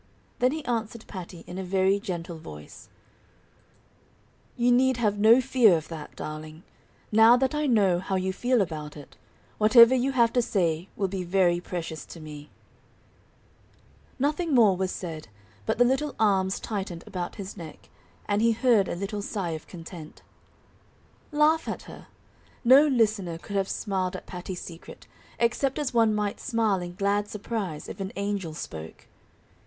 Then he answered Patty in a very gentle voice: "You need have no fear of that, darling. Now that I know how you feel about it, whatever you have to say will be very precious to me." [Illustration: "Will you ask for me? I don't know Him very well."] Nothing more was said, but the little arms tightened about his neck, and he heard a little sigh of content. Laugh at her! No listener could have smiled at Patty's secret, except as one might smile in glad surprise if an angel spoke.